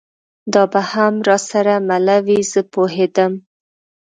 دا به هم را سره مله وي، زه پوهېدم.